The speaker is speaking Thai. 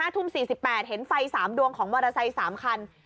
๕ทุ่ม๔๘เห็นไฟสามดวงของมอเตอร์ไซยสามขัน